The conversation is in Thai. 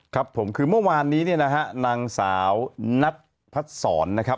ครับผมคือเมื่อวานนี้เนี่ยนะฮะนางสาวนัทพัดศรนะครับ